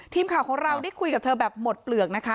ทีมข่าวของเราได้คุยกับเธอแบบหมดเปลือกนะคะ